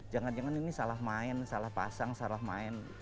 jangan jangan ini salah main salah pasang salah main